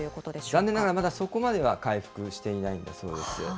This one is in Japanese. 残念ながら、まだそこまでは回復していないんだそうです。